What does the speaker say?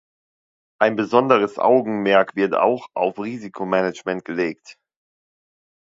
Ein besonderes Augenmerk wird auch auf Risikomanagement gelegt.